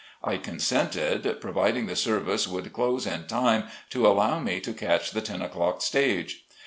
I consented providing the service would close in time to allow me to catch the ten o'clock stage.